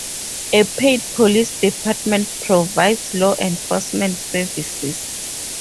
A paid police department provides law enforcement services.